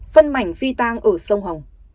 phân mảnh phi tàng ở sông hồng